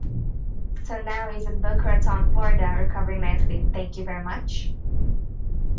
So now he's in Boca Raton, Florida, recovering nicely, thank you very much.